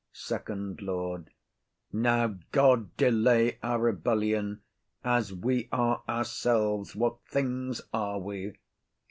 FIRST LORD. Now, God delay our rebellion! As we are ourselves, what things are we!